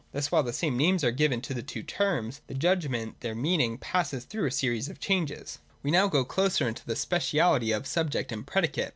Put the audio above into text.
Thus while the same names are given to the two terms of the judgment, their meaning passes through a series of changes. 170.J We now go closer into the speciality of sub ject and predicate.